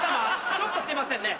ちょっとすいませんね。